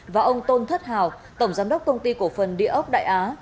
và ông tôn thất hào tổng giám đốc công ty cổ phần địa ốc đại á